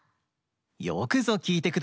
よくぞきいてくださいました！